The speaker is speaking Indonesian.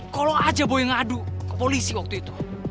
kalau aja boy ngadu ke polisi waktu itu